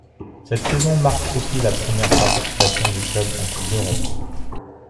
Cette saison marque aussi la première participation du club en Coupes d'Europe.